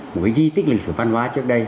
một cái di tích lịch sử văn hóa trước đây